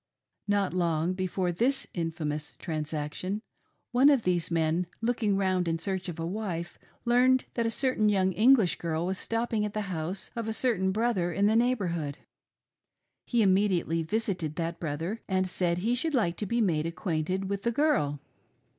Not long before this infamous transaction, one of these men looking round in search of a wife, learned that a young Eng lish girl was stopping at the "house of a certain brother in the neighborhood. He immediately visited that brother, and said he should like to be made acquainted with the girl.